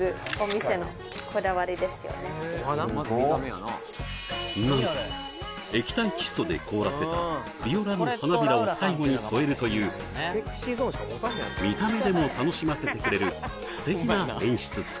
なんと液体窒素で凍らせたビオラの花びらを最後に添えるという見た目でも楽しませてくれる素敵な演出付き